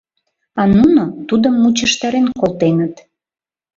А нуно тудым мучыштарен колтеныт.